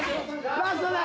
ラストだよ！